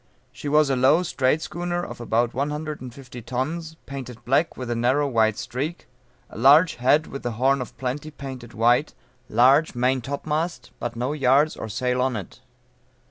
She was a low strait schooner of about one hundred and fifty tons, painted black with a narrow white streak, a large head with the horn of plenty painted white, large maintopmast but no yards or sail on it.